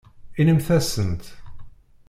Inimt-asent.